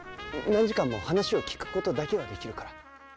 何時間も話を聞く事だけはできるから。